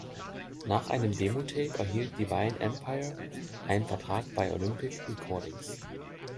Nach einem Demotape erhielt "Divine Empire" einen Vertrag bei „Olympic Recordings“.